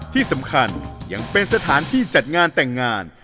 ที่สำคัญยังเป็นสถานที่จัดงานแต่งงาน